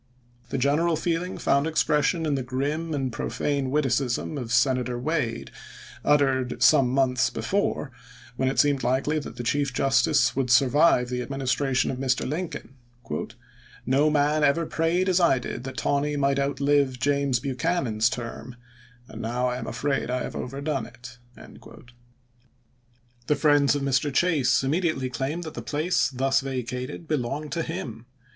The general feeling found ex pression in the grim and profane witticism of Sena tor Wade, uttered some months before, when it seemed likely that the Chief Justice would survive the Administration of Mr. Lincoln :" No man ever prayed as I did that Taney might outlive James Buchanan's term, and now I am afraid I have overdone it." The friends of Mr. Chase immediately claimed that the place thus vacated belonged to him.